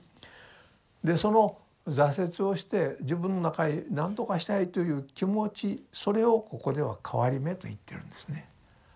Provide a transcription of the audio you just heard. でその挫折をして自分の中でなんとかしたいという気持ちそれをここでは「かはりめ」と言ってるんですね。